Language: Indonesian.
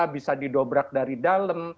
bisa didobrak dari dalam